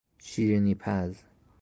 شیرینیپز